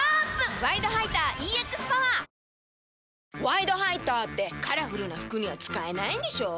「ワイドハイター」ってカラフルな服には使えないんでしょ？